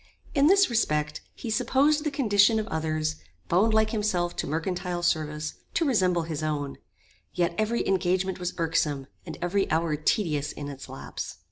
In this respect he supposed the condition of others, bound like himself to mercantile service, to resemble his own; yet every engagement was irksome, and every hour tedious in its lapse.